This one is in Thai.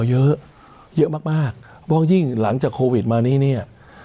เพราะยิ่งหลังจากโควิดมานี้